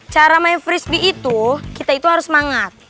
cara main freezbee itu kita itu harus semangat